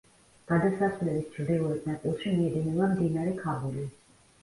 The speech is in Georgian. გადასასვლელის ჩრდილოეთ ნაწილში მიედინება მდინარე ქაბული.